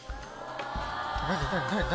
何？